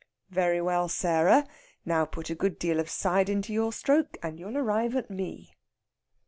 "Very well, Sarah. Now put a good deal of side into your stroke, and you'll arrive at me."